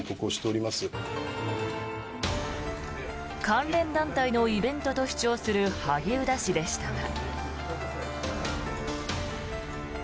関連団体のイベントと主張する萩生田氏でしたが。